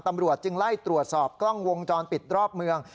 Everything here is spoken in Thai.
ตำรวจจึงไล่ตรวจสอบกล้องวงจรปิดรอบเมือง